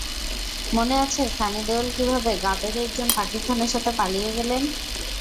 মনে আছে সানি দেওল কীভাবে গাদরে একজন পাকিস্তানের সাথে পালিয়ে গেলেন?